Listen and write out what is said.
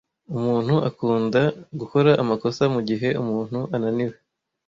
Umuntu akunda gukora amakosa mugihe umuntu ananiwe.